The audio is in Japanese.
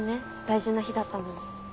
大事な日だったのに。